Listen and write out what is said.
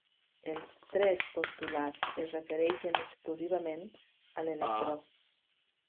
Els tres postulats es refereixen exclusivament a l'electró.